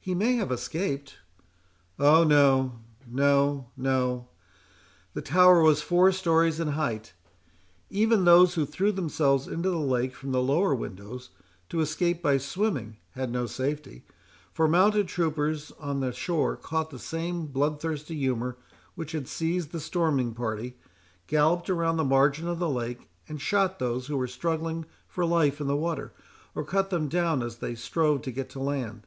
"He may have escaped." "Oh! no, no, no—the tower was four stories in height. Even those who threw themselves into the lake from the lower windows, to escape by swimming, had no safety; for mounted troopers on the shore caught the same bloodthirsty humour which had seized the storming party, galloped around the margin of the lake, and shot those who were struggling for life in the water, or cut them down as they strove to get to land.